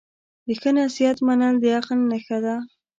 د ښه نصیحت منل د عقل نښه ده.